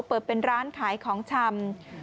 เปิดเป็นร้านขายของชำ